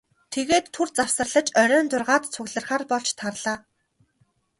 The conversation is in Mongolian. Тэгээд түр завсарлаж оройн зургаад цугларахаар болж тарлаа.